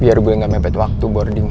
biar gue gak mepet waktu boarding